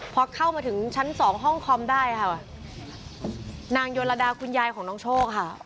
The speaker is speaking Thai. พอเข้ามาถึงชั้นสองห้องคอมได้ค่ะนางโยลดาคุณยายของน้องโชคค่ะ